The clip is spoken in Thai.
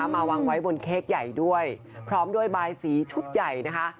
มาวางไว้บนเค้กใหญ่ด้วยพร้อมด้วยบายสีชุดใหญ่นะคะ